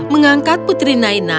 mengangkat putri naina